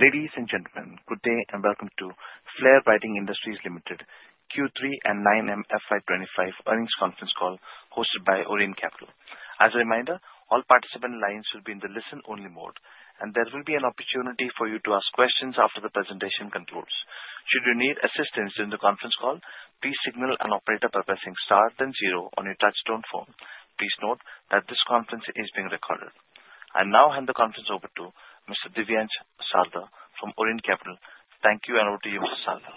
Ladies and gentlemen, good day and welcome to Flair Writing Industries Limited Q3 and 9M FY2025 earnings conference call hosted by Orient Capital. As a reminder, all participant lines will be in the listen-only mode, and there will be an opportunity for you to ask questions after the presentation concludes. Should you need assistance during the conference call, please signal an operator by pressing star then zero on your touch-tone phone. Please note that this conference is being recorded. I now hand the conference over to Mr. Divyansh Gupta from Orient Capital. Thank you and over to you, Mr. Salda.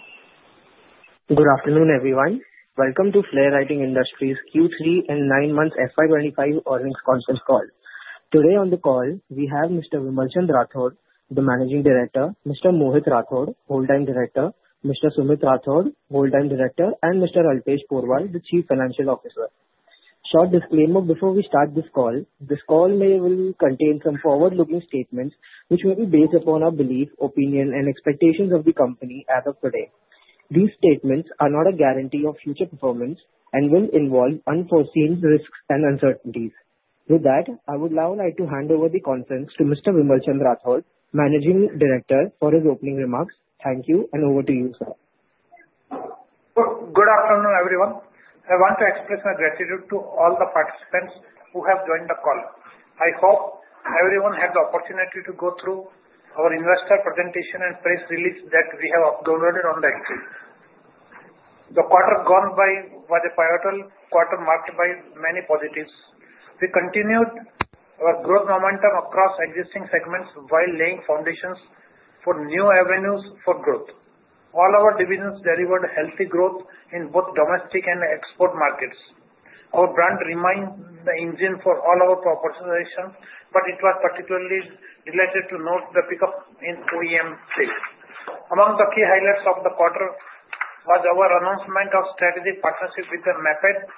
Good afternoon, everyone. Welcome to Flair Writing Industries Q3 and 9MFY25 earnings conference call. Today on the call, we have Mr. Vimarchan Rathod, the Managing Director, Mr. Mohit Rathod, Whole Time Director, Mr. Sumit Rathod, Whole Time Director, and Mr. Alpesh Porwal, the Chief Financial Officer. Short disclaimer before we start this call: this call may well contain some forward-looking statements which will be based upon our belief, opinion, and expectations of the company as of today. These statements are not a guarantee of future performance and will involve unforeseen risks and uncertainties. With that, I would now like to hand over the conference to Mr. Vimarchan Rathod, Managing Director, for his opening remarks. Thank you and over to you, sir. Good afternoon, everyone. I want to express my gratitude to all the participants who have joined the call. I hope everyone had the opportunity to go through our investor presentation and press release that we have uploaded on the exchanges. The quarter gone by was a pivotal quarter marked by many positives. We continued our growth momentum across existing segments while laying foundations for new avenues for growth. All our divisions delivered healthy growth in both domestic and export markets. Our brand remained the engine for all our propositions, but it was particularly related to note the pickup in OEM sales. Among the key highlights of the quarter was our announcement of strategic partnership with the Maped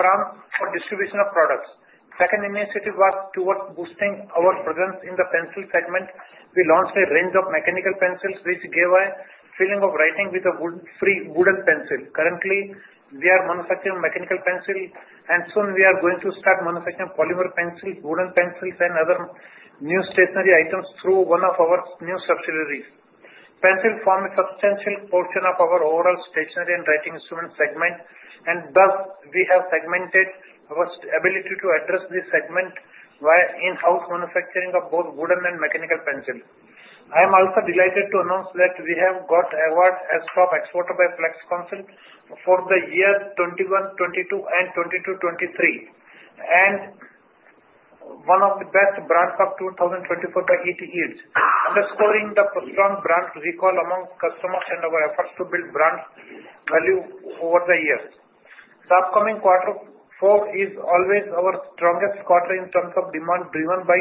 firm for distribution of products. The second initiative was towards boosting our presence in the pencil segment. We launched a range of mechanical pencils which gave a feeling of writing with a free wooden pencil. Currently, we are manufacturing mechanical pencils, and soon we are going to start manufacturing polymer pencils, wooden pencils, and other new stationery items through one of our new subsidiaries. Pencils form a substantial portion of our overall stationery and writing instrument segment, and thus we have segmented our ability to address this segment via in-house manufacturing of both wooden and mechanical pencils. I am also delighted to announce that we have got award as top exporter by PLEXCONCIL for the year 2021-2022 and 2022-2023, and one of the best brands of 2024 by ET Edge, underscoring the strong brand recall among customers and our efforts to build brand value over the years. The upcoming Q4 is always our strongest quarter in terms of demand driven by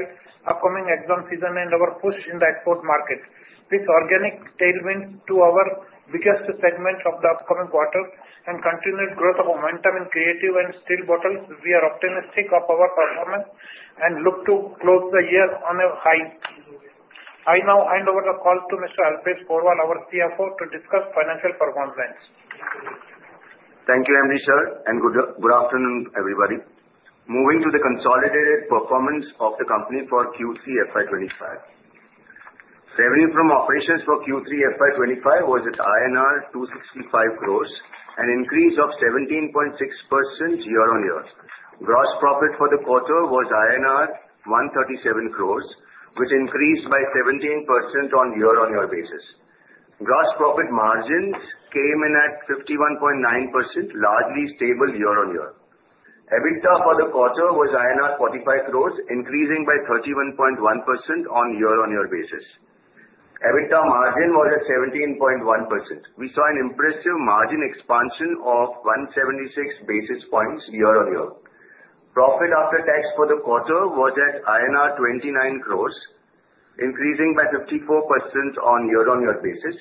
upcoming exam season and our push in the export market. With organic tailwind to our biggest segment of the upcoming quarter and continued growth of momentum in creative and steel bottles, we are optimistic of our performance and look to close the year on a high. I now hand over the call to Mr. Alpesh Porwal, our CFO, to discuss financial performance. Thank you, MD Sir, and good afternoon, everybody. Moving to the consolidated performance of the company for Q3 FY2025. Revenue from operations for Q3 FY2025 was at INR 265 crores, an increase of 17.6% year-on-year. Gross profit for the quarter was INR 137 crores, which increased by 17% on year-on-year basis. Gross profit margins came in at 51.9%, largely stable year-on-year. EBITDA for the quarter was INR 45 crores, increasing by 31.1% on year-on-year basis. EBITDA margin was at 17.1%. We saw an impressive margin expansion of 176 basis points year-on-year. Profit after tax for the quarter was at INR 29 crores, increasing by 54% on year-on-year basis,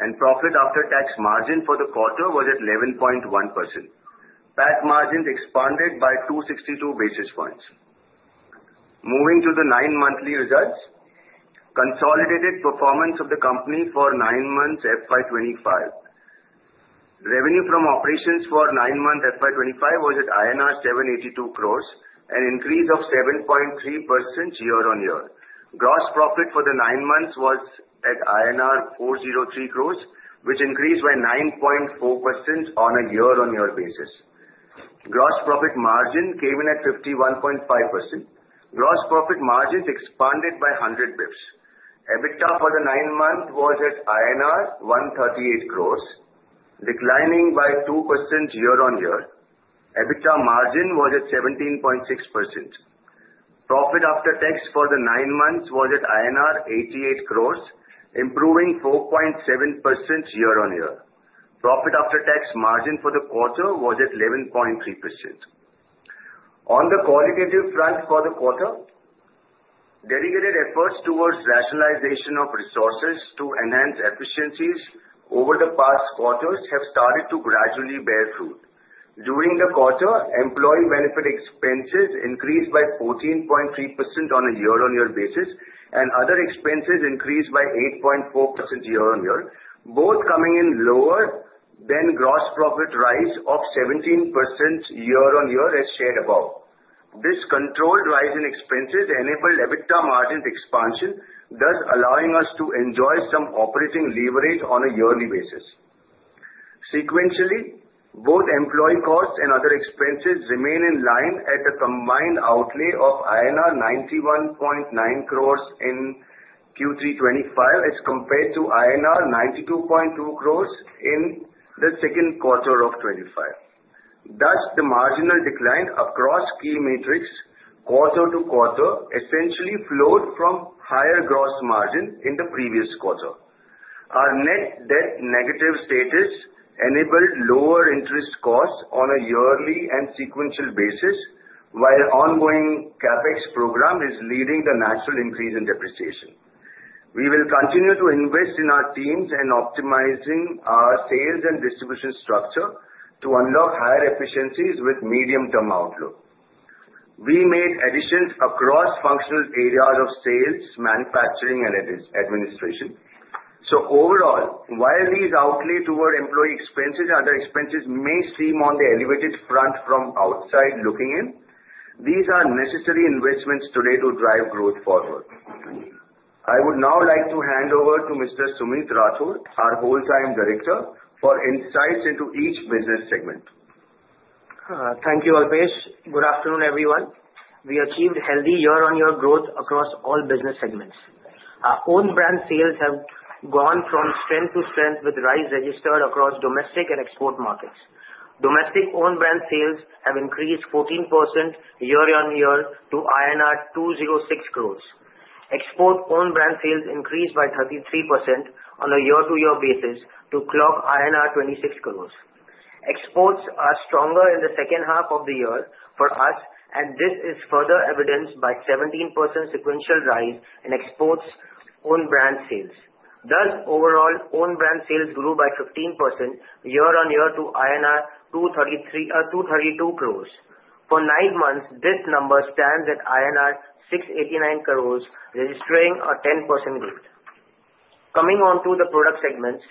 and profit after tax margin for the quarter was at 11.1%. PAT margin expanded by 262 basis points. Moving to the nine-monthly results, consolidated performance of the company for nine months FY2025. Revenue from operations for nine months FY2025 was at INR 782 crores, an increase of 7.3% year-on-year. Gross profit for the nine months was at INR 403 crores, which increased by 9.4% on a year-on-year basis. Gross profit margin came in at 51.5%. Gross profit margins expanded by 100 basis points. EBITDA for the nine months was at 138 crores, declining by 2% year-on-year. EBITDA margin was at 17.6%. Profit after tax for the nine months was at INR 88 crores, improving 4.7% year-on-year. Profit after tax margin for the quarter was at 11.3%. On the qualitative front for the quarter, dedicated efforts towards rationalization of resources to enhance efficiencies over the past quarters have started to gradually bear fruit. During the quarter, employee benefit expenses increased by 14.3% on a year-on-year basis, and other expenses increased by 8.4% year-on-year, both coming in lower than gross profit rise of 17% year-on-year as shared above. This controlled rise in expenses enabled EBITDA margin expansion, thus allowing us to enjoy some operating leverage on a yearly basis. Sequentially, both employee costs and other expenses remain in line at a combined outlay of INR 91.9 in Q3 2025 as compared to 92.2 crores in Q2 of 2025. Thus, the marginal decline across key metrics quarter to quarter essentially flowed from higher gross margin in the previous quarter. Our net debt negative status enabled lower interest costs on a yearly and sequential basis, while ongoing CapEx program is leading the natural increase in depreciation. We will continue to invest in our teams and optimizing our sales and distribution structure to unlock higher efficiencies with medium-term outlook. We made additions across functional areas of sales, manufacturing, and administration. So overall, while these outlay toward employee expenses and other expenses may seem on the elevated front from outside looking in, these are necessary investments today to drive growth forward. I would now like to hand over to Mr. Sumit Rathod, our Whole Time Director, for insights into each business segment. Thank you, Alpesh. Good afternoon, everyone. We achieved healthy year-on-year growth across all business segments. Our own brand sales have gone from strength to strength with rise registered across domestic and export markets. Domestic owned brand sales have increased 14% year-on-year to INR 206 crores. Export owned brand sales increased by 33% on a year-to-year basis to clock 26 crores. Exports are stronger in the second half of the year for us, and this is further evidenced by 17% sequential rise in exports owned brand sales. Thus, overall owned brand sales grew by 15% year-on-year to 232 crores. For nine months, this number stands at INR 689 crores, registering a 10% growth. Coming on to the product segments,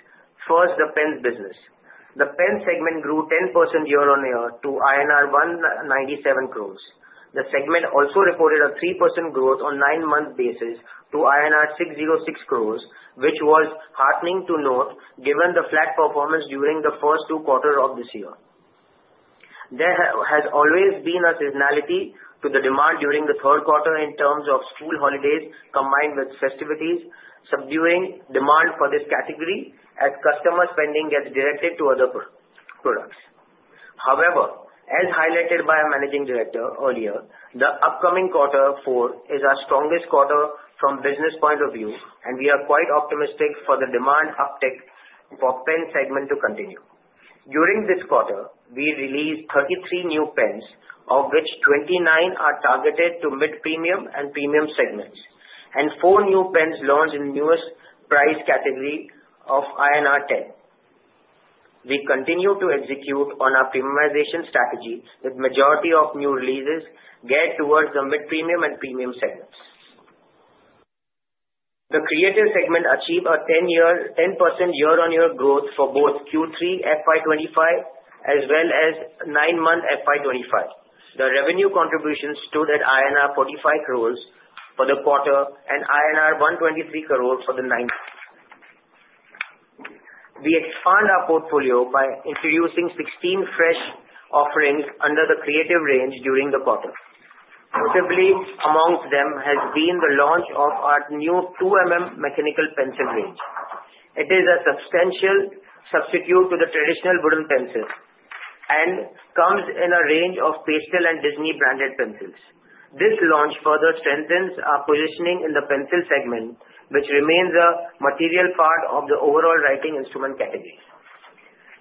first the pens business. The pens segment grew 10% year-on-year to INR 197 crores. The segment also reported a 3% growth on a nine-month basis to INR 606 crores, which was heartening to note given the flat performance during the first two quarters of this year. There has always been a seasonality to the demand during Q3 in terms of school holidays combined with festivities, subduing demand for this category as customer spending gets directed to other products. However, as highlighted by our Managing Director earlier, the upcoming Q4 is our strongest quarter from a business point of view, and we are quite optimistic for the demand uptake for the pens segment to continue. During this quarter, we released 33 new pens, of which 29 are targeted to mid-premium and premium segments, and four new pens launched in the newest price category of INR 10. We continue to execute on our premiumization strategy, with the majority of new releases geared towards the mid-premium and premium segments. The creative segment achieved a 10% year-on-year growth for both Q3 FY2025 as well as nine-month FY2025. The revenue contributions stood at INR 45 crores for the quarter and INR 123 crores for the ninth. We expand our portfolio by introducing 16 fresh offerings under the creative range during the quarter. Notably, amongst them has been the launch of our new 2 mm mechanical pencil range. It is a substantial substitute to the traditional wooden pencils and comes in a range of pastel and Disney branded pencils. This launch further strengthens our positioning in the pencil segment, which remains a material part of the overall writing instrument category.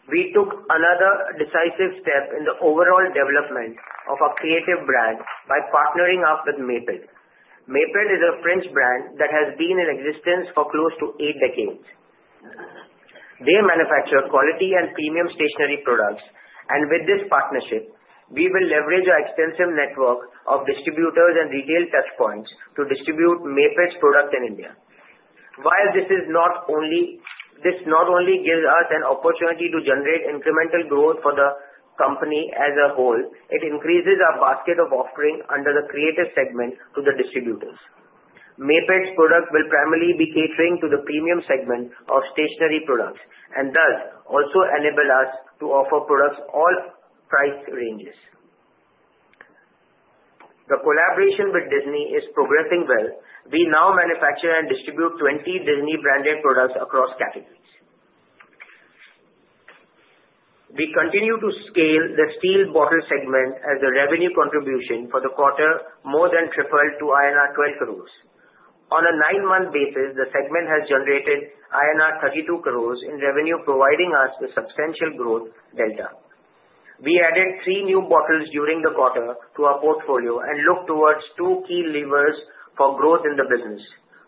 We took another decisive step in the overall development of our creative brand by partnering up with Maped. Maped is a French brand that has been in existence for close to eight decades. They manufacture quality and premium stationery products, and with this partnership, we will leverage our extensive network of distributors and retail touchpoints to distribute Maped's products in India. While this not only gives us an opportunity to generate incremental growth for the company as a whole, it increases our basket of offering under the creative segment to the distributors. Maped's product will primarily be catering to the premium segment of stationery products and thus also enable us to offer products all price ranges. The collaboration with Disney is progressing well. We now manufacture and distribute 20 Disney branded products across categories. We continue to scale the steel bottle segment as a revenue contribution for the quarter more than tripled to INR 12 crores. On a nine-month basis, the segment has generated INR 32 crores in revenue, providing us with substantial growth delta. We added three new bottles during the quarter to our portfolio and look towards two key levers for growth in the business,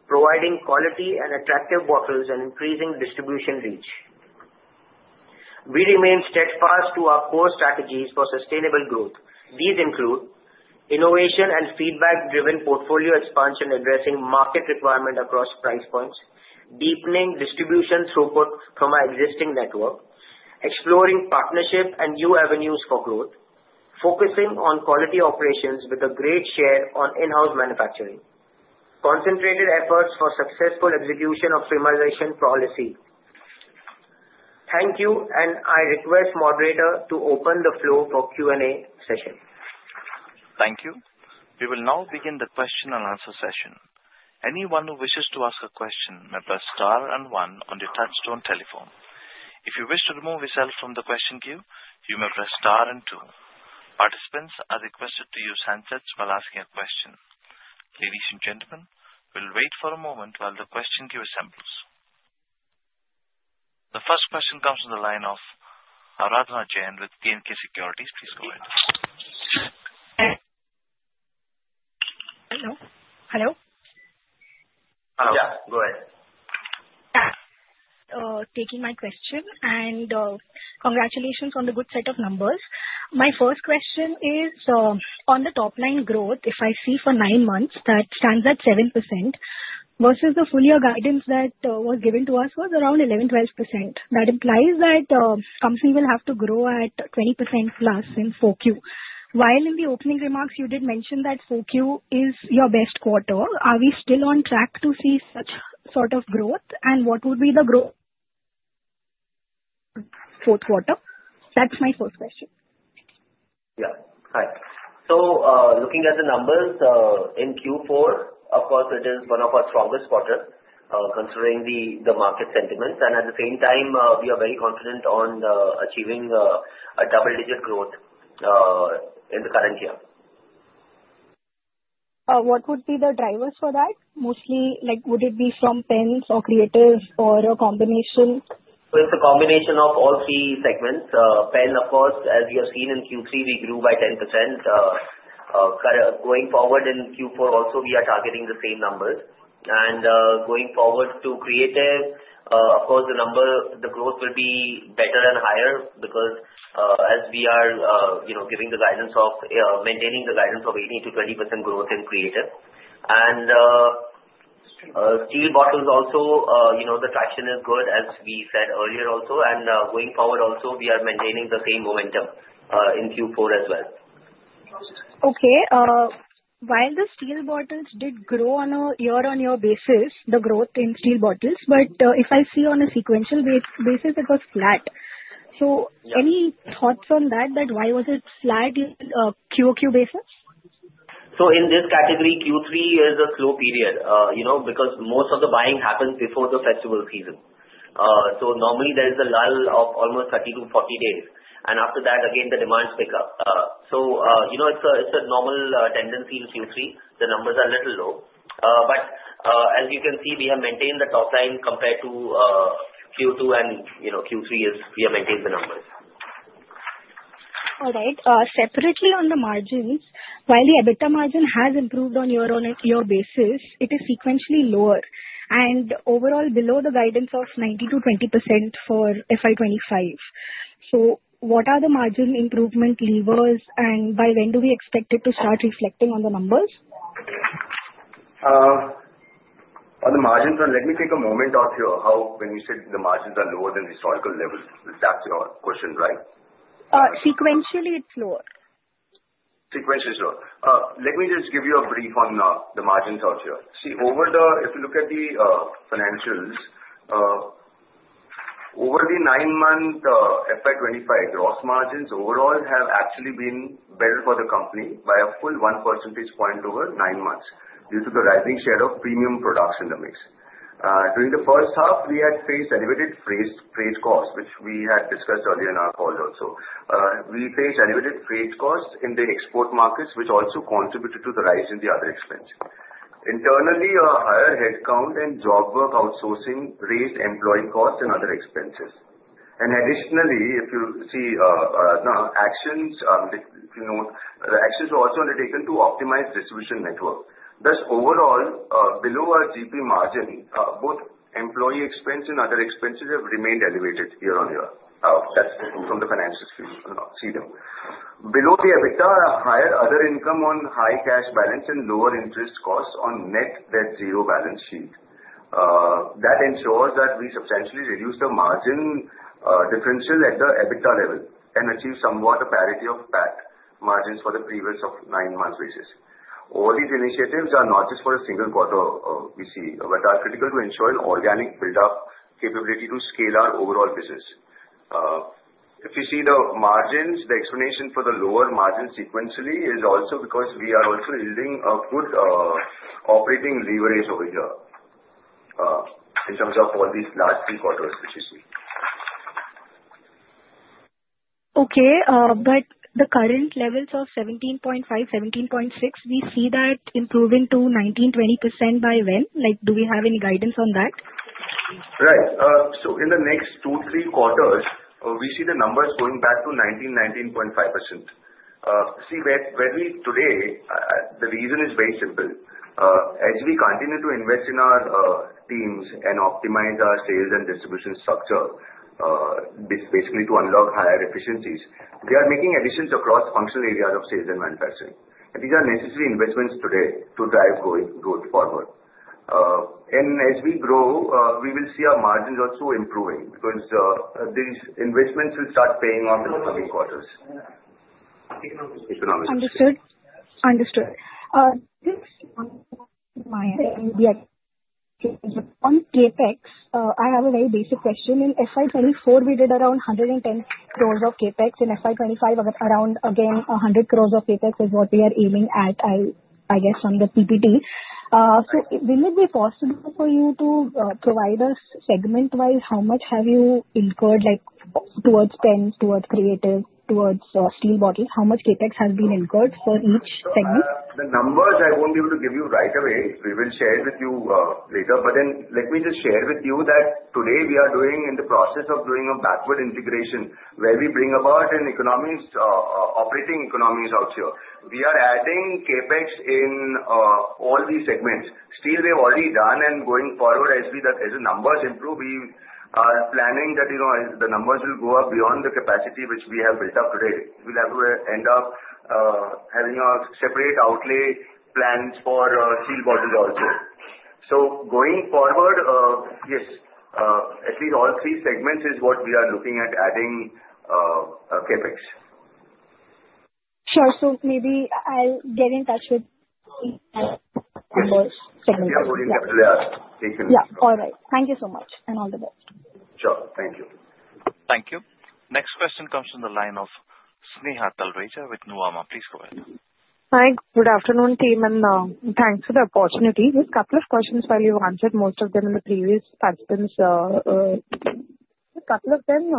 providing quality and attractive bottles and increasing distribution reach. We remain steadfast to our core strategies for sustainable growth. These include innovation and feedback-driven portfolio expansion, addressing market requirement across price points, deepening distribution throughput from our existing network, exploring partnership and new avenues for growth, focusing on quality operations with a great share on in-house manufacturing, and concentrated efforts for successful execution of premiumization policy. Thank you, and I request the moderator to open the floor for the Q&A session. Thank you. We will now begin the question and answer session. Anyone who wishes to ask a question may press star and one on the touch-tone telephone. If you wish to remove yourself from the question queue, you may press star and two. Participants are requested to use handsets while asking a question. Ladies and gentlemen, we'll wait for a moment while the question queue assembles. The first question comes from the line of Aradhana Jain with BNK Securities. Please go ahead. Hello. Hello. Hello. Yeah, go ahead. Yeah. Taking my question, and congratulations on the good set of numbers. My first question is, on the top-line growth, if I see for nine months that stands at 7% versus the full-year guidance that was given to us was around 11%-12%, that implies that something will have to grow at 20% plus in Q4. While in the opening remarks, you did mention that Q4 is your best quarter, are we still on track to see such sort of growth, and what would be the growth for the quarter? That's my first question. Yeah. Hi, so looking at the numbers in Q4, of course, it is one of our strongest quarters considering the market sentiments, and at the same time, we are very confident on achieving a double-digit growth in the current year. What would be the drivers for that? Mostly, would it be from pens or creative or a combination? It's a combination of all three segments. Pen, of course, as we have seen in Q3, we grew by 10%. Going forward in Q4 also, we are targeting the same numbers. Going forward to creative, of course, the growth will be better and higher because as we are giving the guidance of maintaining the guidance of 18%-20% growth in creative. Steel bottles also, the traction is good, as we said earlier also, and going forward also, we are maintaining the same momentum in Q4 as well. Okay. While the steel bottles did grow on a year-on-year basis, the growth in steel bottles, but if I see on a sequential basis, it was flat. So any thoughts on that, why was it flat in QOQ basis? In this category, Q3 is a slow period because most of the buying happens before the festival season. Normally, there is a lull of almost 30-40 days, and after that, again, the demands pick up. It's a normal tendency in Q3. The numbers are a little low. But as you can see, we have maintained the top line compared to Q2 and Q3 as we have maintained the numbers. All right. Separately, on the margins, while the EBITDA margin has improved on a year-on-year basis, it is sequentially lower and overall below the guidance of 19-20% for FY2025. So what are the margin improvement levers, and by when do we expect it to start reflecting on the numbers? On the margins, let me take a moment out here. When you said the margins are lower than historical levels, that's your question, right? Sequentially, it's lower. Sequentially lower. Let me just give you a brief on the margins out here. See, if you look at the financials, over the nine-month FY2025, gross margins overall have actually been better for the company by a full one percentage point over nine months due to the rising share of premium products in the mix. During the first half, we had faced elevated freight costs, which we had discussed earlier in our call also. We faced elevated freight costs in the export markets, which also contributed to the rise in the other expenses. Internally, our higher headcount and job work outsourcing raised employee costs and other expenses. And additionally, if you see, Aradhana, actions were also undertaken to optimize distribution network. Thus, overall, below our GP margin, both employee expense and other expenses have remained elevated year-on-year. That's what we see from the financials. Below the EBITDA, higher other income on high cash balance and lower interest costs on net debt zero balance sheet. That ensures that we substantially reduce the margin differential at the EBITDA level and achieve somewhat a parity of PAT margins for the previous nine-month basis. All these initiatives are not just for a single quarter we see, but are critical to ensure an organic build-up capability to scale our overall business. If you see the margins, the explanation for the lower margin sequentially is also because we are also using a good operating leverage over here in terms of all these last three quarters that you see. Okay. But the current levels of 17.5, 17.6, we see that improving to 19%-20% by when? Do we have any guidance on that? Right. So in the next two, three quarters, we see the numbers going back to 19%-19.5%. See, where we today, the reason is very simple. As we continue to invest in our teams and optimize our sales and distribution structure, basically to unlock higher efficiencies, we are making additions across functional areas of sales and manufacturing. And these are necessary investments today to drive growth forward. And as we grow, we will see our margins also improving because these investments will start paying off in the coming quarters. Understood. Understood. Just one thing on CapEx. I have a very basic question. In FY2024, we did around 110 crores of CapEx. In FY2025, again, 100 crores of CAPEX is what we are aiming at, I guess, from the PPT. So will it be possible for you to provide us segment-wise how much have you incurred towards pens, towards creative, towards steel bottles? How much CapEx has been incurred for each segment? The numbers I won't be able to give you right away. We will share it with you later, but then let me just share with you that today we are in the process of doing a backward integration where we bring about an OEM, operating economies out here. We are adding CapEx in all these segments. Steel we have already done, and going forward as the numbers improve, we are planning that the numbers will go up beyond the capacity which we have built up today. We'll have to end up having a separate outlay plan for steel bottles also, so going forward, yes, at least all three segments is what we are looking at adding CapEx. Sure. So maybe I'll get in touch with you on those segments. Yeah. We'll be in touch. Yeah. Yeah. All right. Thank you so much and all the best. Sure. Thank you. Thank you. Next question comes from the line of Sneha Talreja with Nuvama. Please go ahead. Hi. Good afternoon, team. And thanks for the opportunity. Just a couple of questions while you've answered most of them in the previous participants. A couple of them,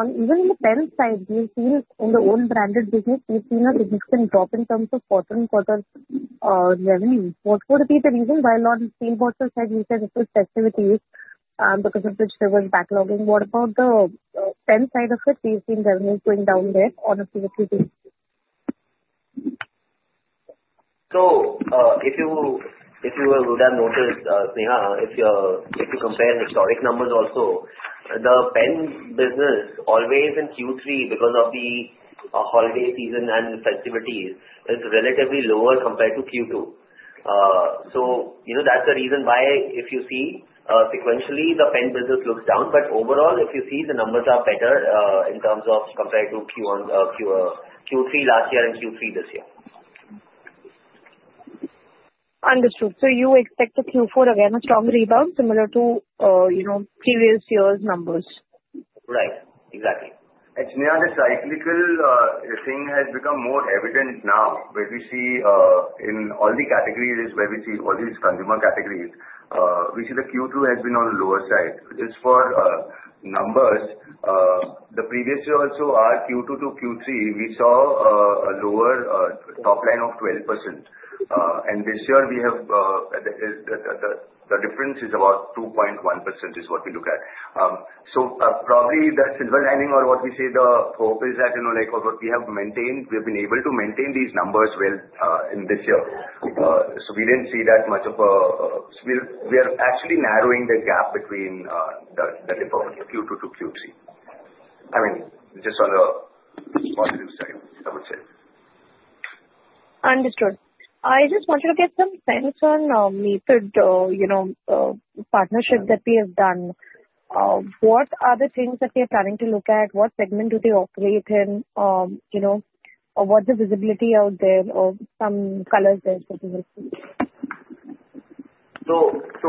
even in the pen side, we've seen in the own branded business, we've seen a significant drop in terms of quarter-on-quarter revenue. What would be the reason for the steel bottles? You said it was festivities because of the Chinese New Year backlogging. What about the pen side of it? We've seen revenues going down there due to fewer activities. So if you would have noticed, Sneha, if you compare historic numbers also, the pen business always in Q3 because of the holiday season and festivities is relatively lower compared to Q2. So that's the reason why if you see sequentially, the pen business looks down, but overall, if you see the numbers are better in terms of compared to Q3 last year and Q3 this year. Understood. So you expect the Q4 again a strong rebound similar to previous year's numbers? Right. Exactly. And Sneha, that's right. The thing has become more evident now where we see in all the categories where we see all these consumer categories. We see the Q2 has been on the lower side. Just for numbers, the previous year also our Q2 to Q3, we saw a lower top line of 12%. And this year, the difference is about 2.1% is what we look at. So probably the silver lining or what we say the hope is that we have maintained. We have been able to maintain these numbers well in this year. So we didn't see that much of a. We are actually narrowing the gap between the Q2 to Q3. I mean, just on the positive side, I would say. Understood. I just wanted to get some sense on Maped Partnership that we have done. What are the things that they are planning to look at? What segment do they operate in? What's the visibility out there or some colors there? So,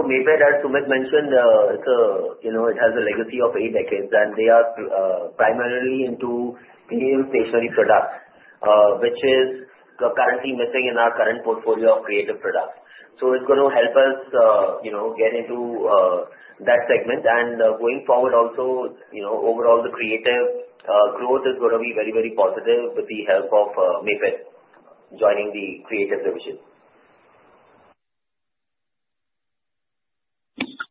maybe I'd add to what was mentioned. It has a legacy of eight decades, and they are primarily into premium stationery products, which is currently missing in our current portfolio of creative products. So, it's going to help us get into that segment. And, going forward also, overall, the creative growth is going to be very, very positive with the help of Maped joining the creative division.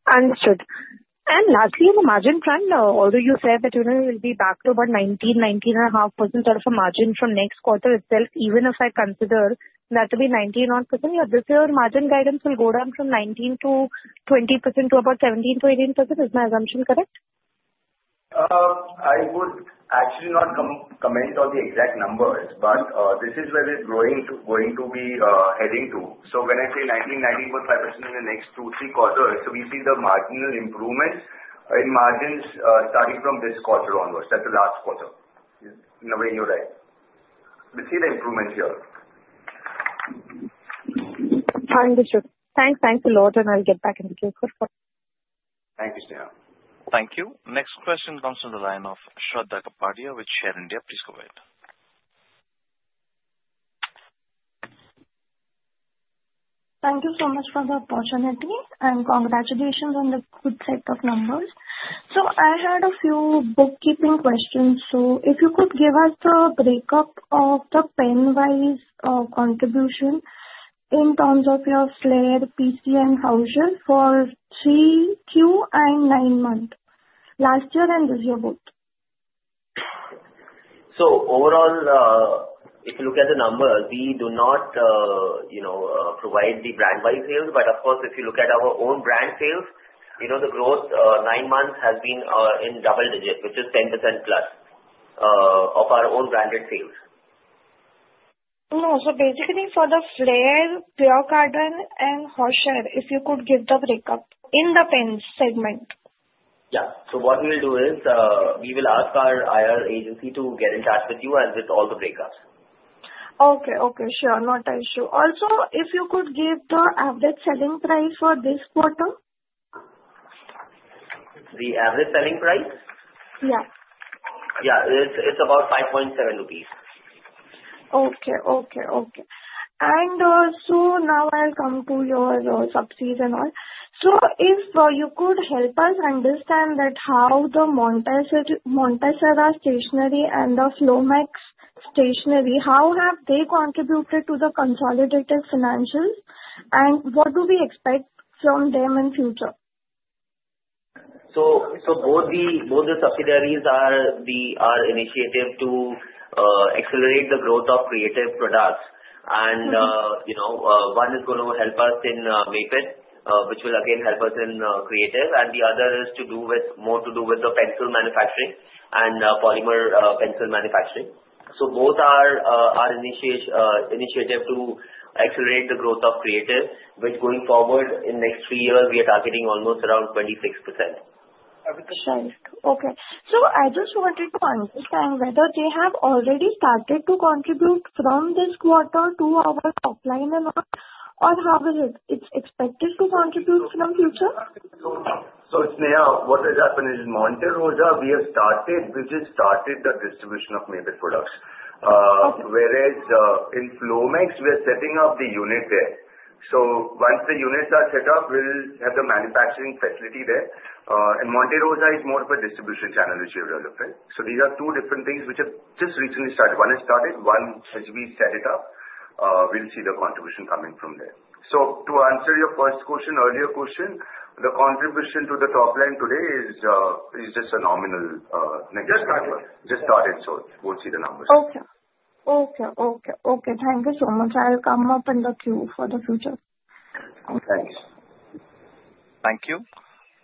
Understood. And lastly, on the margin trend, although you said that it will be back to about 19-19.5% sort of a margin from next quarter itself, even if I consider that to be 19.1%, this year margin guidance will go down from 19-20% to about 17-18%. Is my assumption correct? I would actually not comment on the exact numbers, but this is where we're going to be heading to. So when I say 19%-19.5% in the next two, three quarters, we see the marginal improvement in margins starting from this quarter onwards. That's the last quarter. In a way, you're right. We see the improvement here. Understood. Thanks. Thanks a lot, and I'll get back in the Q4. Thank you, Sneha. Thank you. Next question comes from the line of Shraddha Kapadia with Share India. Please go ahead. Thank you so much for the opportunity and congratulations on the good set of numbers. So I had a few bookkeeping questions. So if you could give us the breakup of the pen-wise contribution in terms of your Flair, PC, and Hauser for Q3 and nine months, last year and this year both? So overall, if you look at the numbers, we do not provide the brand-wide sales. But of course, if you look at our own brand sales, the growth nine months has been in double digits, which is 10% plus of our own branded sales. So basically, for the Flair, Pierre Cardin, and Hauser, if you could give the breakup in the pen segment. Yeah. So what we will do is we will ask our IR agency to get in touch with you and with all the breakups. Okay. Okay. Sure. Not an issue. Also, if you could give the average selling price for this quarter. The average selling price? Yeah. Yeah. It's about 5.7 rupees. And so now I'll come to your subsidiaries and all. So if you could help us understand how the Monte Rosa stationery and the Flomax stationery have contributed to the consolidated financials? And what do we expect from them in future? Both the subsidiaries are our initiative to accelerate the growth of creative products. One is going to help us in Maped, which will again help us in creative. The other is more to do with the pencil manufacturing and polymer pencil manufacturing. Both are our initiative to accelerate the growth of creative, which going forward in next three years, we are targeting almost around 26%. Understood. Okay. So I just wanted to understand whether they have already started to contribute from this quarter to our top line or how is it expected to contribute from future? Sneha, what has happened is in Monte Rosa, we have started the distribution of Maped products. Whereas in Flomax, we are setting up the unit there. Once the units are set up, we'll have the manufacturing facility there. Monte Rosa is more of a distribution channel which we have developed. These are two different things which have just recently started. One has started. One has been set up. We'll see the contribution coming from there. To answer your first question, earlier question, the contribution to the top line today is just a nominal. Just started. Just started, so we'll see the numbers. Okay. Thank you so much. I'll come up on the Q for the future. Thanks. Thank you.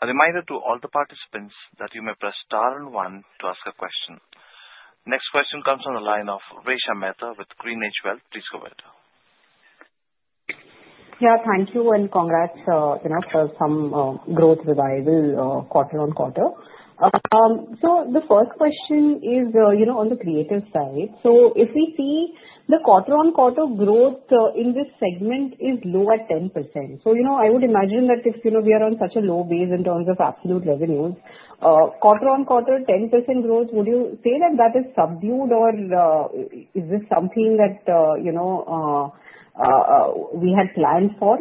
A reminder to all the participants that you may press star and one to ask a question. Next question comes from the line of Resha Mehta with GreenEdge Wealth. Please go ahead. Yeah. Thank you and congrats for some growth revival quarter on quarter. So the first question is on the creative side. So if we see the quarter on quarter growth in this segment is low at 10%. So I would imagine that if we are on such a low base in terms of absolute revenues, quarter on quarter 10% growth, would you say that that is subdued or is this something that we had planned for?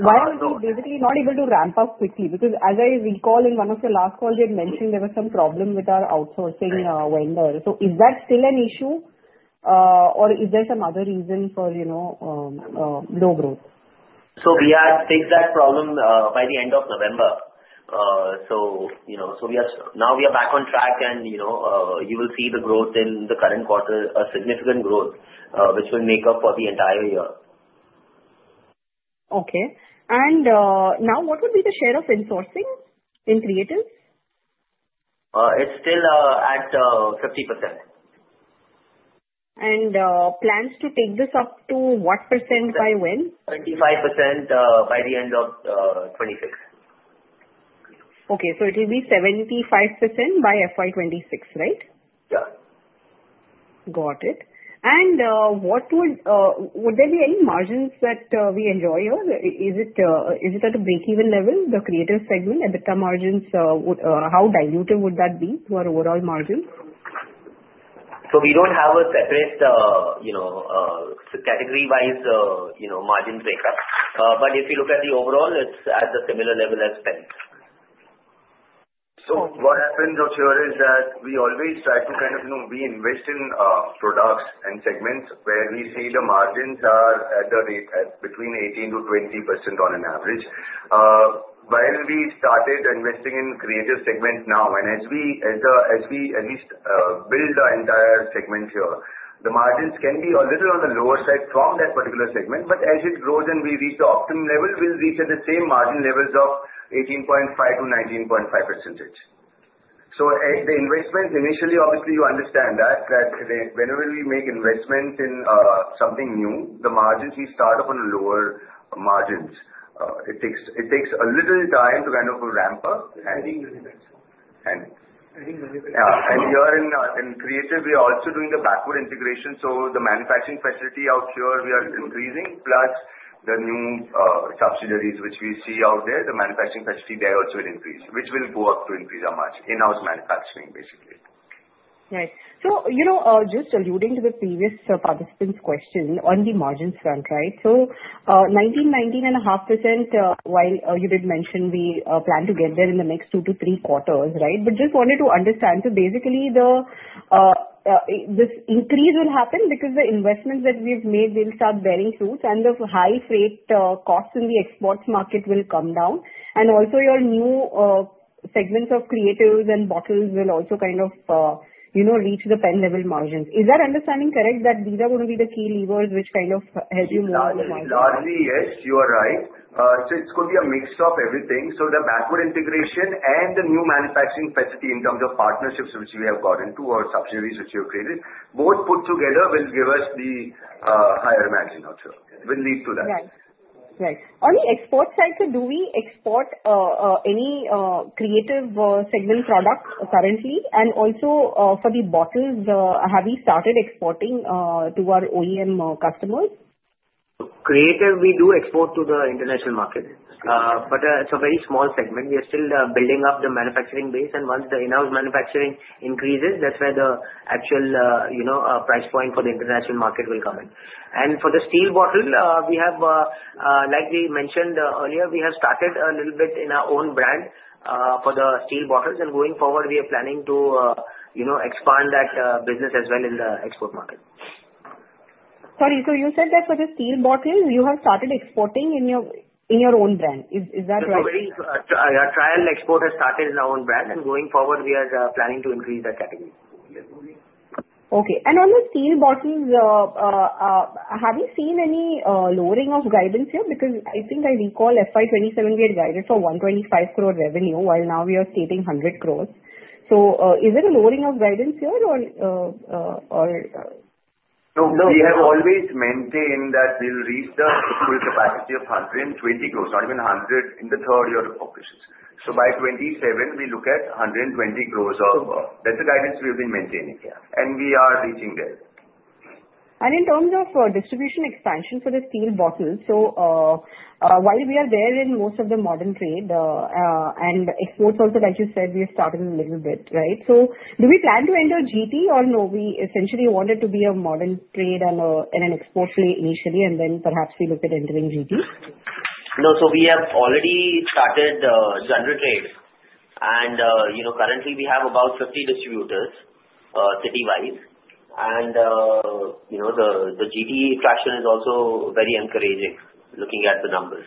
I don't know. Why are we basically not able to ramp up quickly? Because as I recall in one of your last calls, you had mentioned there was some problem with our outsourcing vendor. So is that still an issue or is there some other reason for low growth? So we had fixed that problem by the end of November. So now we are back on track and you will see the growth in the current quarter, a significant growth which will make up for the entire year. Okay. And now what would be the share of insourcing in creatives? It's still at 50%. Plans to take this up to what % by when? 75% by the end of 2026. Okay. So it will be 75% by FY2026, right? Yeah. Got it. And would there be any margins that we enjoy here? Is it at a break-even level, the creative segment? How diluted would that be to our overall margin? So we don't have a separate category-wise margin breakup. But if you look at the overall, it's at the similar level as pen. So what happens out here is that we always try to kind of reinvest in products and segments where we see the margins are at the rate between 18%-20% on an average. While we started investing in creative segment now, and as we at least build the entire segment here, the margins can be a little on the lower side from that particular segment. But as it grows and we reach the optimum level, we'll reach at the same margin levels of 18.5%-19.5%. So the investment initially, obviously, you understand that whenever we make investment in something new, the margins we start up on lower margins. It takes a little time to kind of ramp up. We're doing manufacturing. Yeah. And here in creative, we are also doing a backward integration. So the manufacturing facility out here, we are increasing plus the new subsidiaries which we see out there, the manufacturing facility there also will increase, which will go up to increase our margin, in-house manufacturing basically. Nice. So just alluding to the previous participant's question on the margin front, right? So 19%-19.5%, while you did mention we plan to get there in the next two to three quarters, right? But just wanted to understand so basically this increase will happen because the investments that we've made, they'll start bearing fruit and the high freight costs in the exports market will come down. And also your new segments of creatives and bottles will also kind of reach the pen-level margins. Is that understanding correct that these are going to be the key levers which kind of help you move the margin? Largely, yes. You are right. So it's going to be a mix of everything. So the backward integration and the new manufacturing facility in terms of partnerships which we have got into or subsidiaries which we have created, both put together will give us the higher margin out here. It will lead to that. Nice. Nice. On the export side, so do we export any creative segment products currently? And also for the bottles, have we started exporting to our OEM customers? Currently, we do export to the international market. But it's a very small segment. We are still building up the manufacturing base. And once the in-house manufacturing increases, that's where the actual price point for the international market will come in. And for the steel bottle, we have, like we mentioned earlier, we have started a little bit in our own brand for the steel bottles. And going forward, we are planning to expand that business as well in the export market. Sorry, so you said that for the steel bottle, you have started exporting in your own brand. Is that right? So our trial export has started in our own brand. And going forward, we are planning to increase that category. Okay. And on the steel bottles, have you seen any lowering of guidance here? Because I think I recall FY2027, we had guided for 125 crore revenue while now we are stating 100 crore. So is it a lowering of guidance here or? No. We have always maintained that we'll reach the full capacity of 120 crores, not even 100 in the third year of operations. So by 2027, we look at 120 crores. That's the guidance we have been maintaining. We are reaching there. In terms of distribution expansion for the steel bottles, so while we are there in most of the modern trade and exports also, like you said, we have started a little bit, right? So do we plan to enter GT or no, we essentially wanted to be a modern trade and an export initially and then perhaps we look at entering GT? No. So we have already started the modern trade. And currently, we have about 50 distributors city-wise. And the GT traction is also very encouraging looking at the numbers.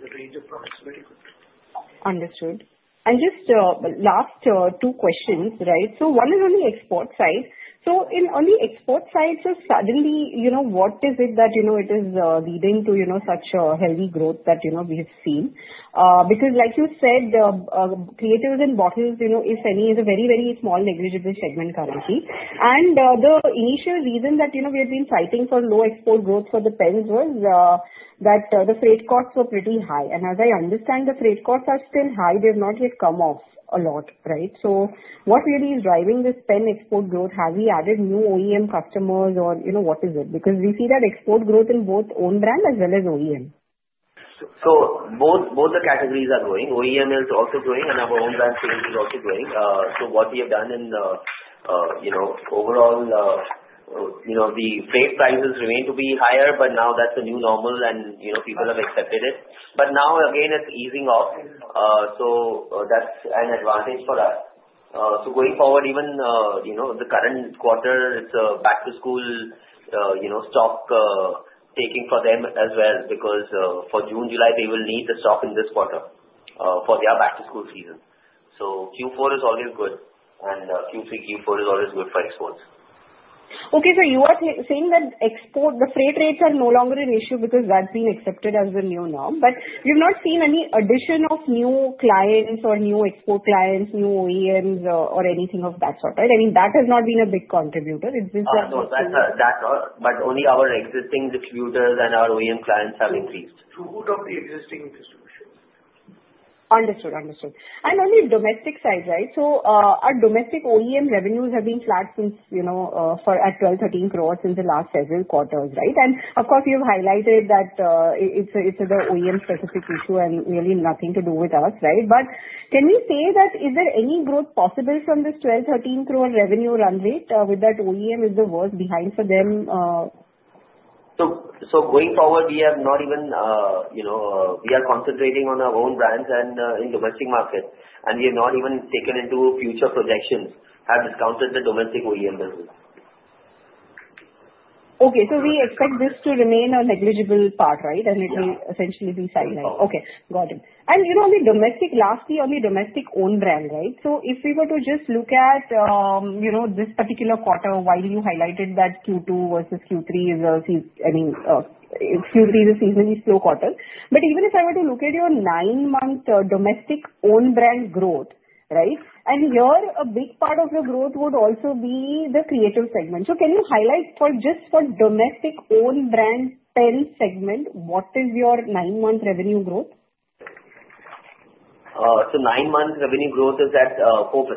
The range of products is very good. Understood, and just last two questions, right, so one is on the export side. On the export side, suddenly, what is it that it is leading to such a heavy growth that we have seen? Because like you said, creatives and bottles, if any, is a very, very small negligible segment currently, and the initial reason that we had been citing for low export growth for the pens was that the freight costs were pretty high, and as I understand, the freight costs are still high. They have not yet come off a lot, right, so what really is driving this pen export growth? Have we added new OEM customers or what is it? Because we see that export growth in both own brand as well as OEM. So both the categories are growing. OEM is also growing and our own brand sales is also growing. So what we have done in the overall, the freight prices remain to be higher, but now that's the new normal and people have accepted it. But now, again, it's easing off. So that's an advantage for us. So going forward, even the current quarter, it's a back-to-school stock taking for them as well because for June, July, they will need the stock in this quarter for their back-to-school season. So Q4 is always good. And Q3, Q4 is always good for exports. Okay. So you are saying that export, the freight rates are no longer an issue because that's been accepted as the new norm. But we have not seen any addition of new clients or new export clients, new OEMs or anything of that sort, right? I mean, that has not been a big contributor. Is this? No. That's all. But only our existing distributors and our OEM clients have increased. Too good of the existing distributions. Understood. Understood. And on the domestic side, right? So our domestic OEM revenues have been flat at 12-13 crores since the last several quarters, right? And of course, you have highlighted that it's the OEM-specific issue and really nothing to do with us, right? But can we say that? Is there any growth possible from this 12-13 crore revenue run rate with that OEM? Is the worst behind for them? Going forward, we are concentrating on our own brands and in domestic market. We have not even taken into future projections, have discounted the domestic OEM business. Okay. So we expect this to remain a negligible part, right? And it will essentially be sidelined. No. Okay. Got it. And lastly, on the domestic owned brand, right? So if we were to just look at this particular quarter, while you highlighted that Q2 versus Q3 is a seasonally slow quarter, but even if I were to look at your nine-month domestic owned brand growth, right, and here, a big part of the growth would also be the creative segment. So can you highlight just for domestic owned brand pen segment, what is your nine-month revenue growth? Nine-month revenue growth is at 4%.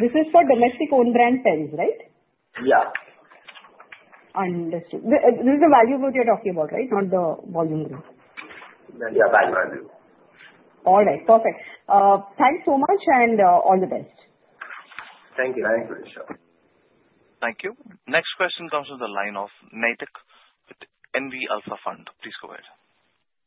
This is for domestic owned brand pens, right? Yeah. Understood. This is the value growth you're talking about, right? Not the volume growth. Yeah. Value growth. All right. Perfect. Thanks so much and all the best. Thank you. I appreciate you. Thank you. Next question comes from the line of Mahek with NV Alpha Fund. Please go ahead.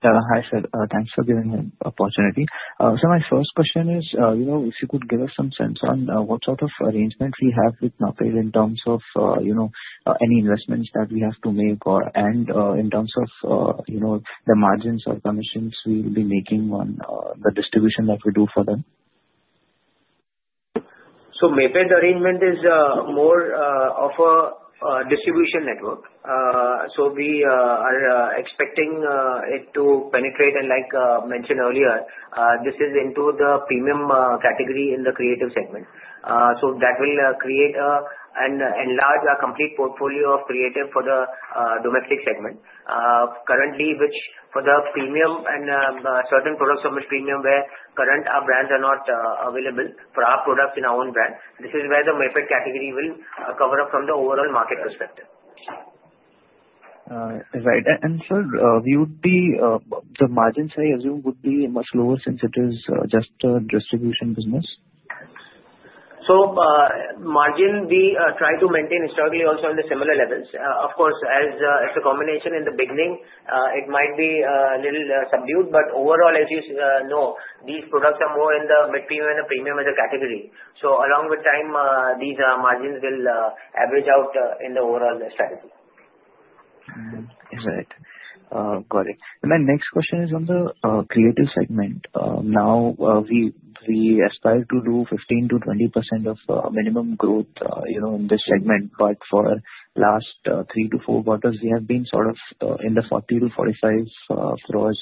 Yeah. Hi, Sir. Thanks for giving me the opportunity. So my first question is, if you could give us some sense on what sort of arrangement we have with Maped in terms of any investments that we have to make and in terms of the margins or commissions we will be making on the distribution that we do for them. So Maped's arrangement is more of a distribution network. So we are expecting it to penetrate and like mentioned earlier, this is into the premium category in the creative segment. So that will create and enlarge our complete portfolio of creative for the domestic segment. Currently, which for the premium and certain products of which premium where current our brands are not available for our products in our own brand. This is where the Maped category will cover up from the overall market perspective. Right. And Sir, the margins, I assume, would be much lower since it is just a distribution business? So, margin we try to maintain historically also on the similar levels. Of course, as a combination in the beginning, it might be a little subdued. But overall, as you know, these products are more in the mid-premium and the premium as a category. So along with time, these margins will average out in the overall strategy. Right. Got it. And my next question is on the creative segment. Now, we aspire to do 15%-20% of minimum growth in this segment. But for last three to four quarters, we have been sort of in the 40- 45 crores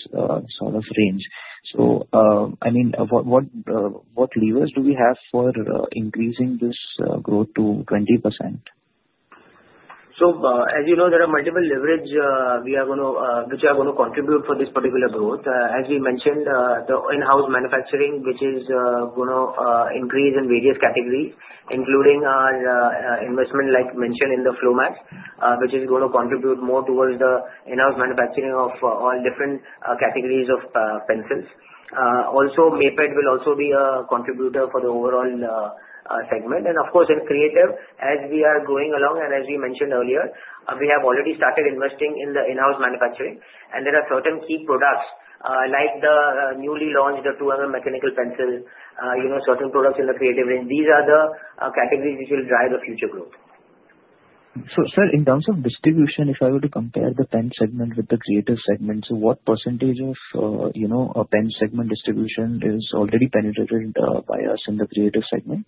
sort of range. So I mean, what levers do we have for increasing this growth to 20%? As you know, there are multiple leverages which are going to contribute for this particular growth. As we mentioned, the in-house manufacturing, which is going to increase in various categories, including our investment, like mentioned in the Flomax, which is going to contribute more towards the in-house manufacturing of all different categories of pencils. Also, Maped will also be a contributor for the overall segment. Of course, in creative, as we are going along and as we mentioned earlier, we have already started investing in the in-house manufacturing. There are certain key products like the newly launched 2mm mechanical pencil, certain products in the creative range. These are the categories which will drive the future growth. Sir, in terms of distribution, if I were to compare the pen segment with the creative segment, so what percentage of pen segment distribution is already penetrated by us in the creative segment?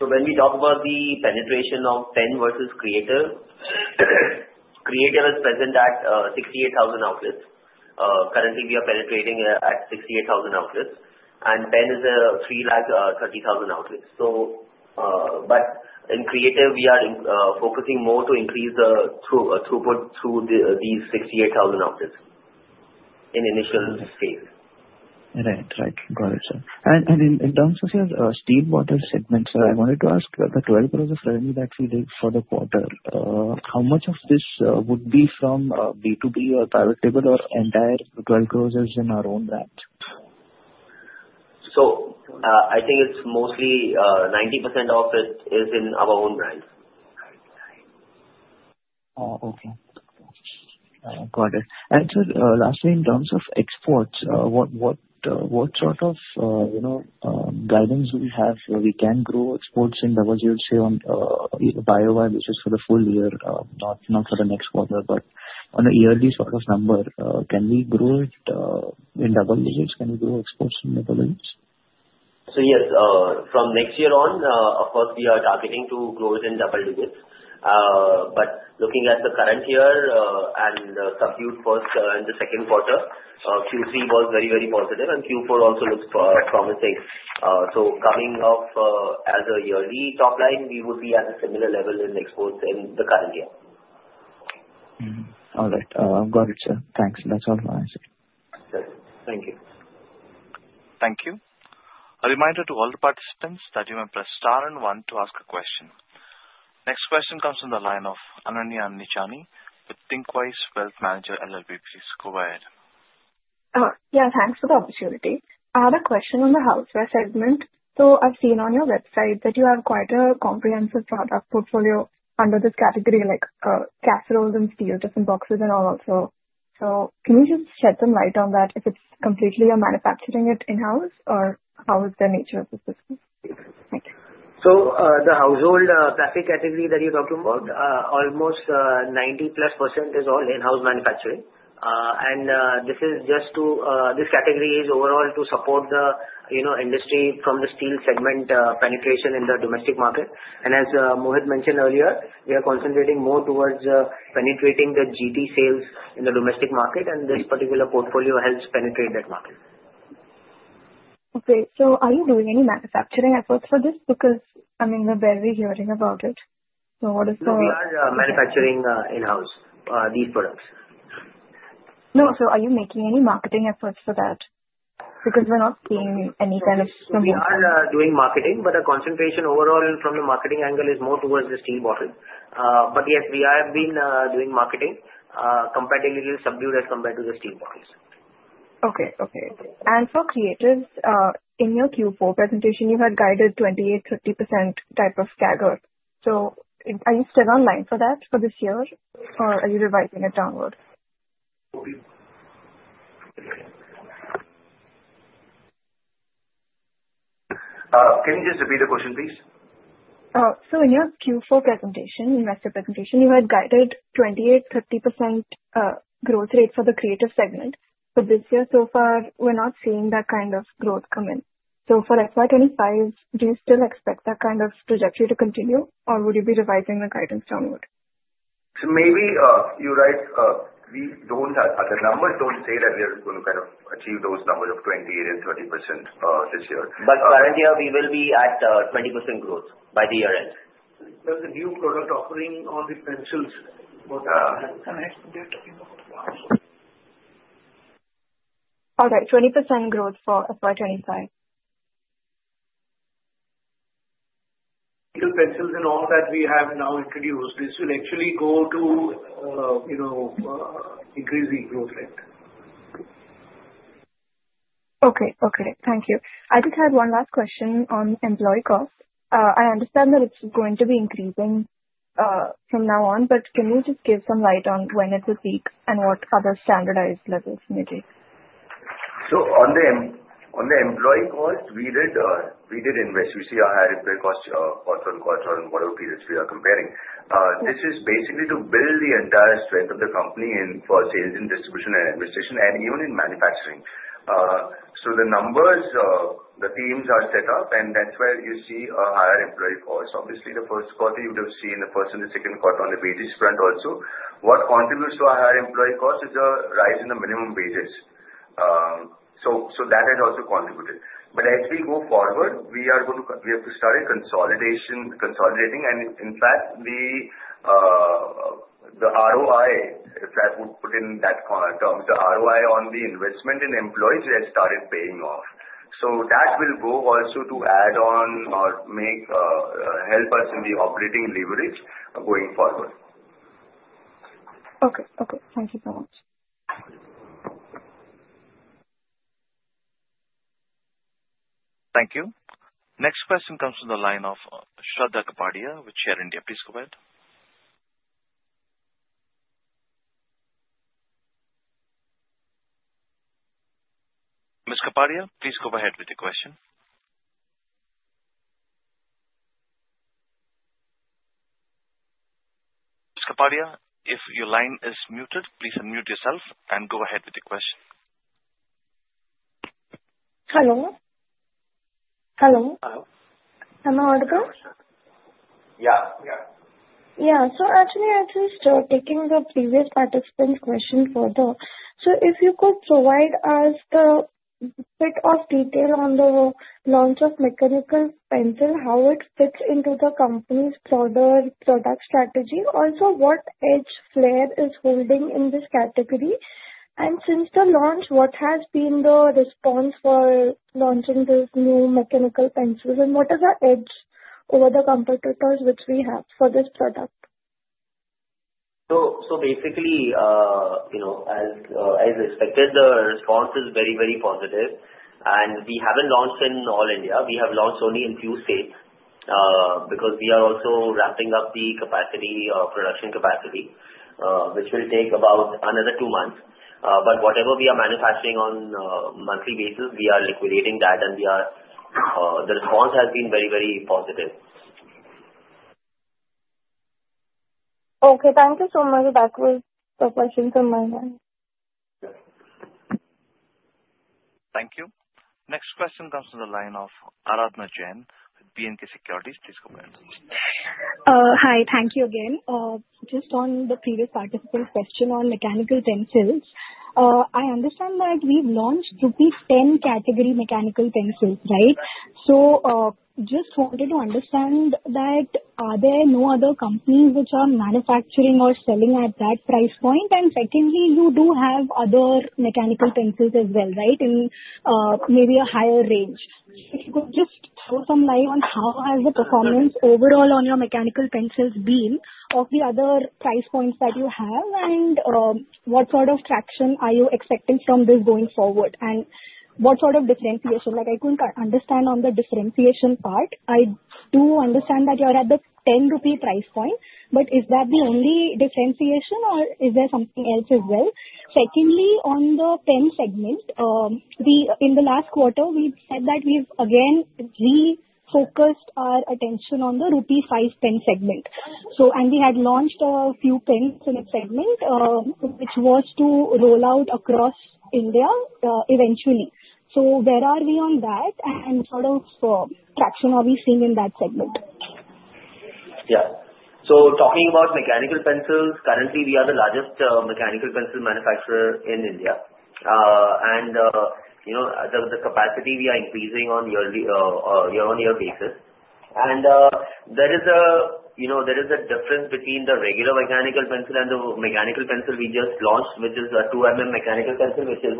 When we talk about the penetration of pen versus creative, creative is present at 68,000 outlets. Currently, we are penetrating at 68,000 outlets. Pen is 330,000 outlets. In creative, we are focusing more to increase the throughput through these 68,000 outlets in initial phase. Right. Right. Got it, Sir. And in terms of your steel bottle segment, Sir, I wanted to ask the 12 crores of revenue that we did for the quarter, how much of this would be from B2B or private label or entire 12 crores in our own brand? So I think it's mostly 90% of it is in our own brand. Okay. Got it. And Sir, lastly, in terms of exports, what sort of guidance do we have where we can grow exports in double digits here on houseware, which is for the full year, not for the next quarter, but on the yearly sort of number? Can we grow it in double digits? Can we grow exports in double digits? So yes. From next year on, of course, we are targeting to grow it in double digits. But looking at the current year and subdued first and Q2, Q3 was very, very positive. And Q4 also looks promising. So coming off as a yearly top line, we would be at a similar level in exports in the current year. All right. Got it, Sir. Thanks. That's all for my side. Thank you. Thank you. A reminder to all the participants that you may press star and one to ask a question. Next question comes from the line of Ananya Annichani with Thinqwise Wealth Management LLP. Please go ahead. Yeah. Thanks for the opportunity. I have a question on the houseware segment. So I've seen on your website that you have quite a comprehensive product portfolio under this category, like casseroles and steel, different boxes and all also. So can you just shed some light on that if it's completely you're manufacturing it in-house or how is the nature of the business? Thank you. So the household plastic category that you're talking about, almost 90-plus% is all in-house manufacturing. And this is just to this category is overall to support the industry from the steel segment penetration in the domestic market. And as Mohit mentioned earlier, we are concentrating more towards penetrating the GT sales in the domestic market. And this particular portfolio helps penetrate that market. Okay. So are you doing any manufacturing efforts for this? Because I mean, we're barely hearing about it. So what is the? We are manufacturing in-house, these products. No. So are you making any marketing efforts for that? Because we're not seeing any kind of. We are doing marketing, but the concentration overall from the marketing angle is more towards the steel bottles. But yes, we have been doing marketing comparatively subdued as compared to the steel bottles. Okay. And for creatives, in your Q4 presentation, you had guided 28%-30% type of staggered. So are you still online for that for this year or are you revising it downward? Can you just repeat the question, please? So in your Q4 presentation, investor presentation, you had guided 28%-30% growth rate for the creative segment. But this year, so far, we're not seeing that kind of growth come in. So for FY2025, do you still expect that kind of trajectory to continue or would you be revising the guidance downward? So maybe you're right. The numbers don't say that we are going to kind of achieve those numbers of 28% and 30% this year. But currently, we will be at 20% growth by the year end. There's a new product offering on the pencils. 20% growth for FY2025. The pencils and all that we have now introduced. This will actually go to increasing growth rate. Okay. Thank you. I just had one last question on employee costs. I understand that it's going to be increasing from now on, but can you just give some light on when it would peak and what other standardized levels may take? So on the employee cost, we did invest. You see our higher employee cost quarter on quarter on whatever periods we are comparing. This is basically to build the entire strength of the company for sales and distribution and administration and even in manufacturing. So the numbers, the teams are set up, and that's where you see a higher employee cost. Obviously, Q1, you would have seen the first and the second quarter on the wages front also. What contributes to our higher employee cost is a rise in the minimum wages. So that has also contributed. But as we go forward, we have to start consolidating. And in fact, the ROI, if I would put it in that term, the ROI on the investment in employees has started paying off. So that will go also to add on or help us in the operating leverage going forward. Okay. Okay. Thank you so much. Thank you. Next question comes from the line of Shraddha Kapadia, with Share India. Please go ahead. Ms. Kapadia, please go ahead with the question. Ms. Kapadia, if your line is muted, please unmute yourself and go ahead with the question. Hello? Hello? Hello? Am I audible? Yeah. Yeah. Yeah. So actually, I'm just taking the previous participant's question further. So if you could provide us the bit of detail on the launch of mechanical pencil, how it fits into the company's broader product strategy, also what edge Flair is holding in this category. And since the launch, what has been the response for launching this new mechanical pencil? And what is our edge over the competitors which we have for this product? So basically, as expected, the response is very, very positive. And we haven't launched in all India. We have launched only in a few states because we are also ramping up the production capacity, which will take about another two months. But whatever we are manufacturing on a monthly basis, we are liquidating that, and the response has been very, very positive. Okay. Thank you so much. That was the question from my end. Thank you. Next question comes from the line of Aradhana Jain with B&K Securities. Please go ahead. Hi. Thank you again. Just on the previous participant's question on mechanical pencils, I understand that we've launched a rupees 10 category mechanical pencils, right? So just wanted to understand that are there no other companies which are manufacturing or selling at that price point? And secondly, you do have other mechanical pencils as well, right, in maybe a higher range. If you could just throw some light on how has the performance overall on your mechanical pencils been of the other price points that you have, and what sort of traction are you expecting from this going forward? And what sort of differentiation? I couldn't understand on the differentiation part. I do understand that you are at the 10 rupee price point, but is that the only differentiation, or is there something else as well? Secondly, on the pen segment, in the last quarter, we said that we've again refocused our attention on the rupee 5 pen segment. And we had launched a few pens in a segment which was to roll out across India eventually. So where are we on that, and what sort of traction are we seeing in that segment? Yeah. So, talking about mechanical pencils, currently we are the largest mechanical pencil manufacturer in India. And the capacity we are increasing on a year-on-year basis. And there is a difference between the regular mechanical pencil and the mechanical pencil we just launched, which is a 2mm mechanical pencil, which is,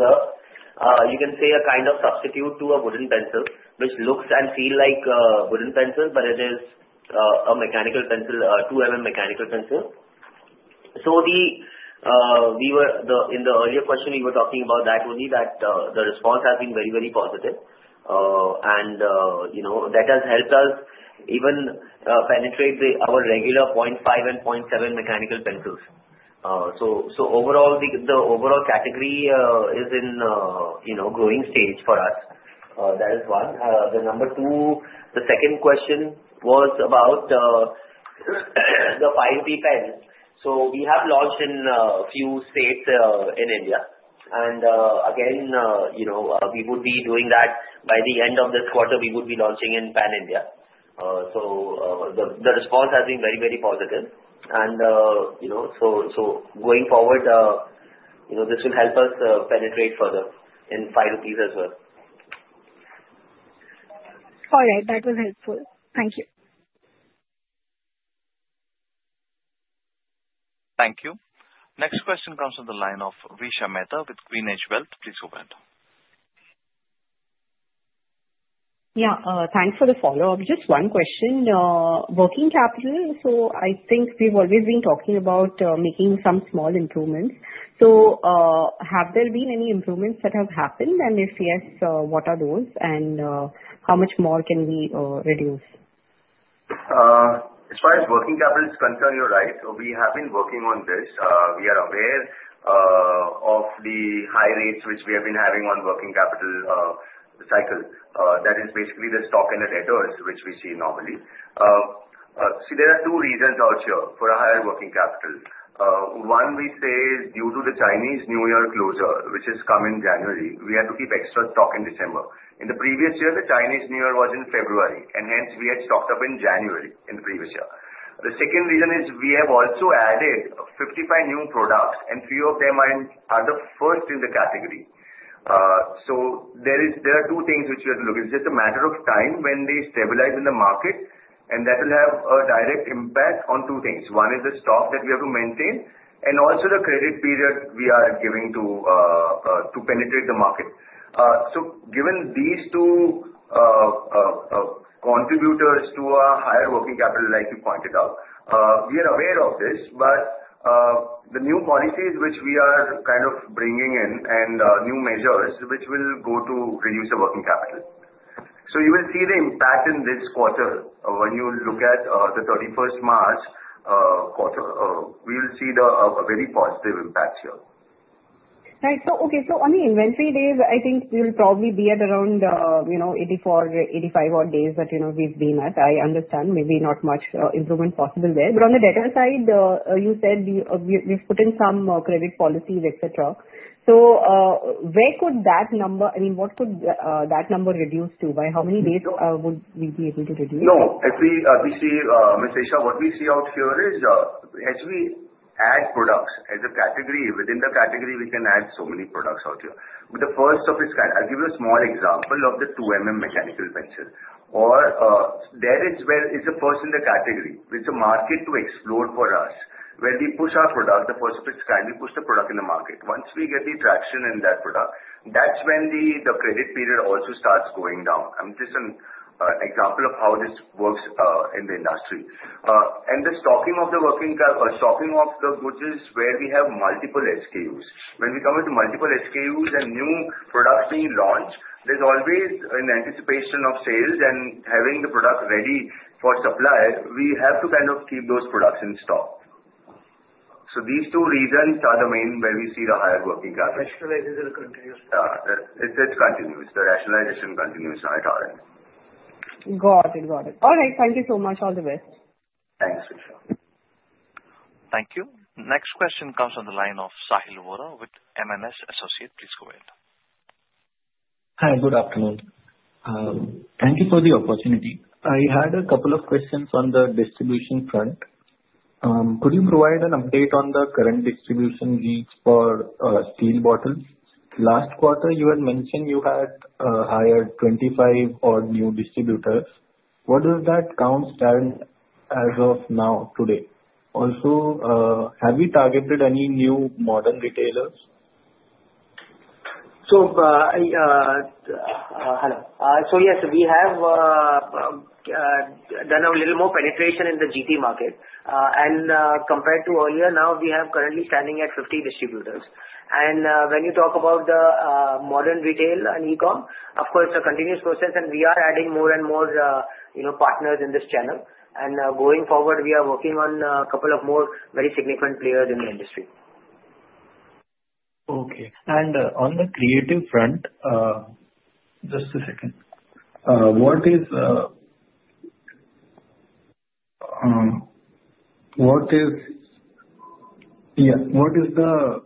you can say, a kind of substitute to a wooden pencil, which looks and feels like a wooden pencil, but it is a 2mm mechanical pencil. So, in the earlier question, we were talking about that only, that the response has been very, very positive. And that has helped us even penetrate our regular 0.5 and 0.7 mechanical pencils. So, overall, the overall category is in a growing stage for us. That is one. The second question was about theRs. 5 pen. So, we have launched in a few states in India. Again, we would be doing that by the end of this quarter. We would be launching in Pan India. The response has been very, very positive. Going forward, this will help us penetrate further in INR 5 as well. All right. That was helpful. Thank you. Thank you. Next question comes from the line of Resha Mehta with GreenEdge Wealth. Please go ahead. Yeah. Thanks for the follow-up. Just one question. Working capital, so I think we've always been talking about making some small improvements. So have there been any improvements that have happened? And if yes, what are those, and how much more can we reduce? As far as working capital is concerned, you're right. So we have been working on this. We are aware of the high rates which we have been having on working capital cycle. That is basically the stock and the debtors which we see normally. See, there are two reasons out here for a higher working capital. One, we saw due to the Chinese New Year closure, which has come in January, we had to keep extra stock in December. In the previous year, the Chinese New Year was in February, and hence we had stocked up in January in the previous year. The second reason is we have also added 55 new products, and few of them are the first in the category. So there are two things which we have to look at. It's just a matter of time when they stabilize in the market, and that will have a direct impact on two things. One is the stock that we have to maintain, and also the credit period we are giving to penetrate the market. So given these two contributors to a higher working capital, like you pointed out, we are aware of this, but the new policies which we are kind of bringing in and new measures which will go to reduce the working capital. So you will see the impact in this quarter. When you look at the 31 March quarter, we will see a very positive impact here. Right. Okay. So on the inventory days, I think we will probably be at around 84, 85 odd days that we've been at. I understand maybe not much improvement possible there. But on the debtor side, you said we've put in some credit policies, etc. So where could that number I mean, what could that number reduce to? By how many days would we be able to reduce? No. Actually, Ms. Resha, what we see out here is as we add products as a category, within the category, we can add so many products out here. But the first of its kind, I'll give you a small example of the 2mm mechanical pencil. There is where it's the first in the category. It's a market to explore for us. When we push our product, the first of its kind, we push the product in the market. Once we get the traction in that product, that's when the credit period also starts going down. I'm just an example of how this works in the industry. And the stocking of the working stocking of the goods is where we have multiple SKUs. When we come into multiple SKUs and new products being launched, there's always an anticipation of sales and having the product ready for supply. We have to kind of keep those products in stock. So these two reasons are the main where we see the higher working capital. Rationalization continues. Yeah. It's continuous. The rationalization continues. All right. Got it. Got it. All right. Thank you so much. All the best. Thanks, Resha. Thank you. Next question comes from the line of Sahil Vora with MS Associates. Please go ahead. Hi. Good afternoon. Thank you for the opportunity. I had a couple of questions on the distribution front. Could you provide an update on the current distribution needs for steel bottles? Last quarter, you had mentioned you had hired 25 odd new distributors. What does that count as of now today? Also, have you targeted any new modern retailers? Hello. Yes, we have done a little more penetration in the GT market. Compared to earlier, now we are currently standing at 50 distributors. When you talk about the modern retail and e-com, of course, it's a continuous process, and we are adding more and more partners in this channel. Going forward, we are working on a couple of more very significant players in the industry. Okay. And on the creative front, just a second. What is the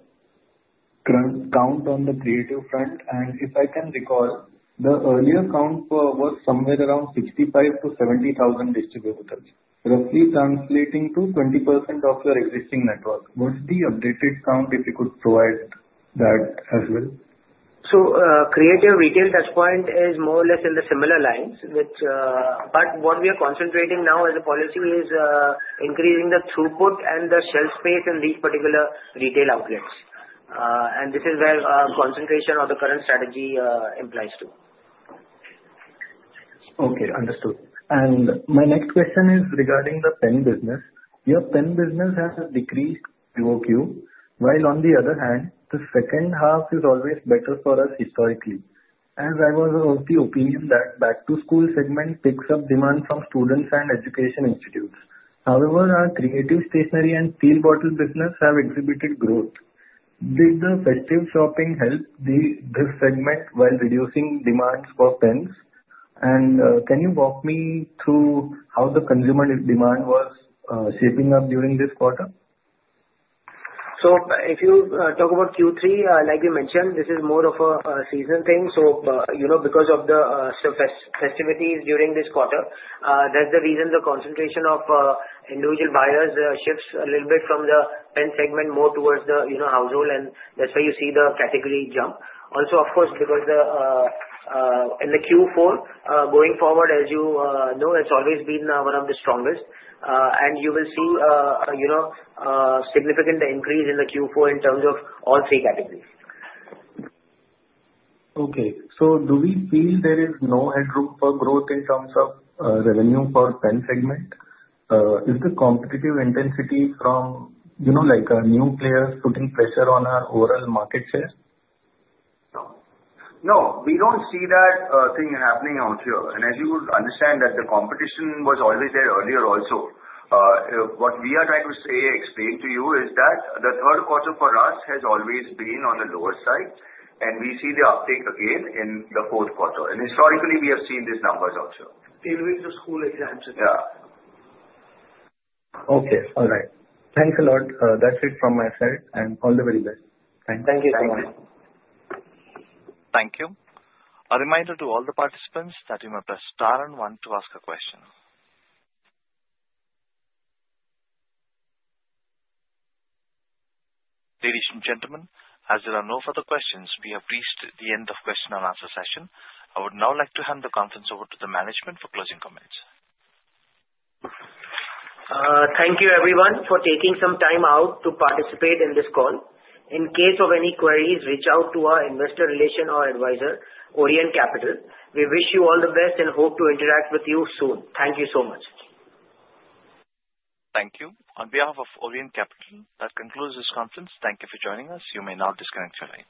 current count on the creative front? And if I can recall, the earlier count was somewhere around 65,000-70,000 distributors, roughly translating to 20% of your existing network. What's the updated count if you could provide that as well? Creative retail touchpoint is more or less in the similar lines. What we are concentrating now as a policy is increasing the throughput and the shelf space in these particular retail outlets. This is where concentration of the current strategy implies to. Okay. Understood. And my next question is regarding the pen business. Your pen business has decreased over Q3, while on the other hand, the second half is always better for us historically. As I was of the opinion that back-to-school segment picks up demand from students and education institutes. However, our creative stationery and steel bottle business have exhibited growth. Did the festive shopping help this segment while reducing demands for pens? And can you walk me through how the consumer demand was shaping up during this quarter? So if you talk about Q3, like you mentioned, this is more of a season thing. So because of the festivities during this quarter, that's the reason the concentration of individual buyers shifts a little bit from the pen segment more towards the household, and that's where you see the category jump. Also, of course, because in the Q4, going forward, as you know, it's always been one of the strongest. And you will see a significant increase in the Q4 in terms of all three categories. Okay, so do we feel there is no headroom for growth in terms of revenue for pen segment? Is the competitive intensity from new players putting pressure on our overall market share? No. No. We don't see that thing happening out here, and as you would understand that the competition was always there earlier also. What we are trying to explain to you is that the third quarter for us has always been on the lower side, and we see the uptake again in the fourth quarter, and historically, we have seen these numbers out here. Tailoring to school exams. Yeah. Okay. All right. Thanks a lot. That's it from my side, and all the very best. Thank you. Thank you. Thank you. A reminder to all the participants that you may press star and one to ask a question. Ladies and gentlemen, as there are no further questions, we have reached the end of the question and answer session. I would now like to hand the conference over to the management for closing comments. Thank you, everyone, for taking some time out to participate in this call. In case of any queries, reach out to our investor relation or advisor, Orient Capital. We wish you all the best and hope to interact with you soon. Thank you so much. Thank you. On behalf of Orient Capital, that concludes this conference. Thank you for joining us. You may now disconnect your line.